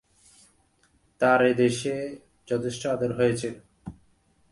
তার এদেশে যথেষ্ট আদর হয়েছিল।